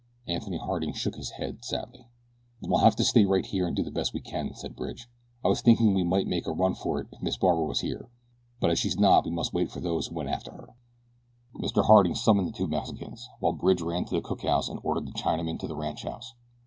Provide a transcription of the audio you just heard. Anthony Harding shook his head sadly. "Then we'll have to stay right here and do the best we can," said Bridge. "I was thinking we might make a run for it if Miss Barbara was here; but as she's not we must wait for those who went out after her." Mr. Harding summoned the two Mexicans while Bridge ran to the cookhouse and ordered the Chinaman to the ranchhouse.